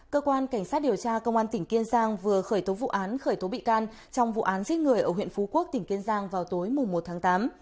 cơ quan cảnh sát điều tra công an tỉnh kiên giang vừa khởi tố vụ án khởi tố bị can trong vụ án giết người ở huyện phú quốc tỉnh kiên giang vào tối một tháng tám